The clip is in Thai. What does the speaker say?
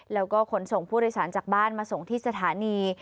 แล้วก็ขนส่งผู้โดยสารจากบ้านมาส่งที่สถานี